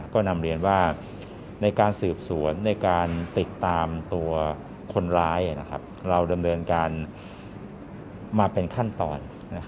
ก็นำเรียนว่าในการสืบสวนในการติดตามตัวคนร้ายเราดำเนินการมาเป็นขั้นตอน